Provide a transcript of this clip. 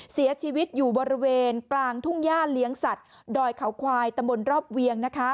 เสียชีวิตอยู่บริเวณกลางทุ่งย่าเลี้ยงสัตว์ดอยเขาควายตำบลรอบเวียงนะคะ